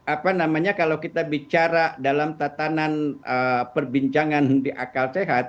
apa namanya kalau kita bicara dalam tatanan perbincangan di akal sehat